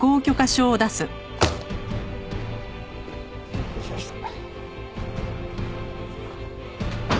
失礼致しました。